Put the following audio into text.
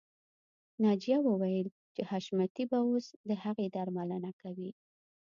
ناجیه وویل چې حشمتي به اوس د هغې درملنه کوي